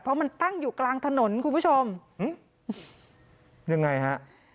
เพราะมันตั้งอยู่กลางถนนคุณผู้ชมยังไงฮะ